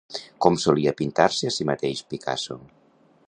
Com solia pintar-se a si mateix Picasso?